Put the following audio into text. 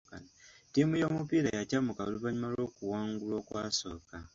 Ttiimu y'omupiira yakyamuka oluvannyuma lw'okuwangulwa okwasooka.